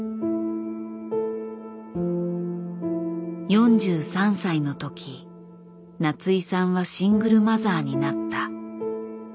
４３歳のとき夏井さんはシングルマザーになった。